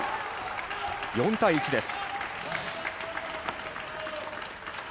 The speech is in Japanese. ４対１です。